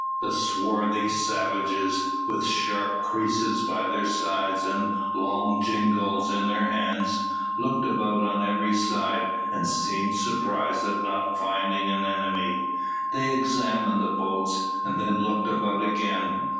The swarthy savages, with sharp creeses by their sides and long jingalls in their hands, looked about on every side, and seemed surprised at not finding an enemy. They examined the boats, and then looked about again.